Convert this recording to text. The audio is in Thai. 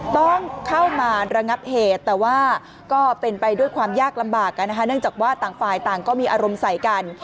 ต้องเข้ามาระงับเหตุแต่ว่าก็เป็นไปด้วยความยากลำบากเนื่องจากว่าต่างฝ่ายต่างก็มีอารมณ์ใส่กัน